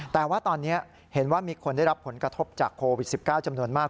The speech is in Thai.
แต่ว่าตอนนี้เห็นว่ามีคนได้รับผลกระทบจากโควิด๑๙จำนวนมาก